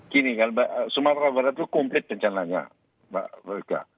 gini kan sumatera barat itu komplit rencananya mbak belga